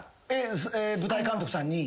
舞台監督さんに。